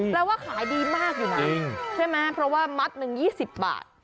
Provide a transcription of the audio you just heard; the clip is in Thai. แล้วว่าขายดีมากอยู่นั้นใช่ไหมเพราะว่ามัตต์นึง๒๐บาท